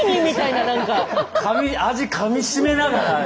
味かみしめながら。